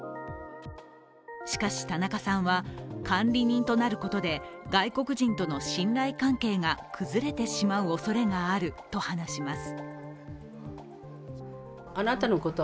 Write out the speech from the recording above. しかし、田中さんは監理人となることで外国人との信頼関係が崩れてしまうおそれがあると話します。